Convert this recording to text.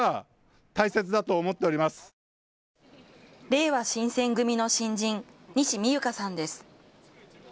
れいわ新選組の新人、西美友加さんです。